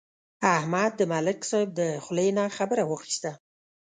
احمد د ملک صاحب د خولې نه خبره واخیسته.